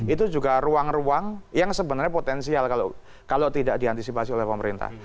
itu juga ruang ruang yang sebenarnya potensial kalau tidak diantisipasi oleh pemerintah